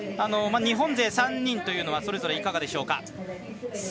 日本勢３人はそれぞれいかがでしょうか？